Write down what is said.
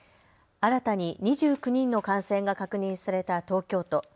新たに２９人の感染が確認された東京都。